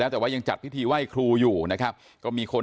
แต่ว่ายังจัดพิธีไหว้ครูอยู่นะครับก็มีคน